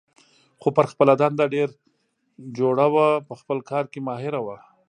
خو پر خپله دنده ډېره جوړه وه، په خپل کار کې ماهره وه.